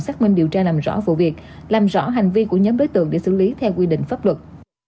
xác minh điều tra làm rõ vụ việc làm rõ hành vi của nhóm đối tượng để xử lý theo quy định pháp luật